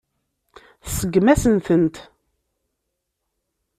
Tseggem-asen-tent.